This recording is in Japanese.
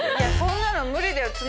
そんなの無理だよ。